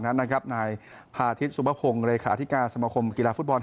นายพาธิตสุพพงศ์เลยคาธิกาสมคมกีฬาฟุตบอล